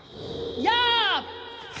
やあ！